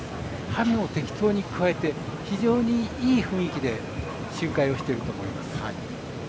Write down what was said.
ハミを適当にくわえて非常にいい雰囲気で周回をしていると思います。